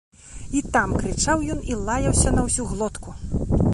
І там крычаў ён і лаяўся на ўсю глотку.